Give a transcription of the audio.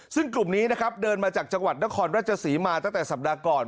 ซึ่งกลุ่มนี้นะครับเดินมาจากจังหวัดนครราชศรีมาตั้งแต่สัปดาห์ก่อน